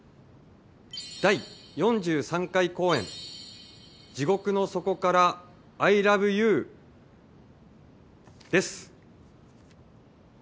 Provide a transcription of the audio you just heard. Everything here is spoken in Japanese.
第４３回公演『地獄の底からアイラブユー』です。